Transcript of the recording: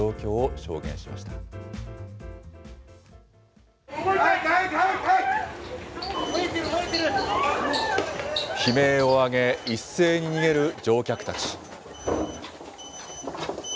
燃えてる、悲鳴を上げ、一斉に逃げる乗客たち。